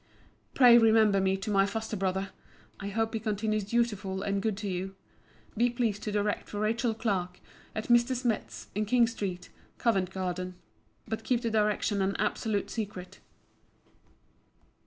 Pray remember me to my foster brother. I hope he continues dutiful and good to you. Be pleased to direct for Rachel Clark, at Mr. Smith's, in King street, Covent garden. But keep the direction an absolute secret.